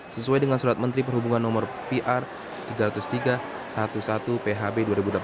sesuai dengan surat menteri perhubungan nomor pr tiga ratus tiga belas phb dua ribu delapan belas